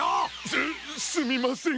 すすみません。